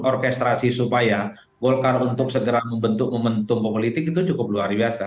orkestrasi supaya golkar untuk segera membentuk momentum politik itu cukup luar biasa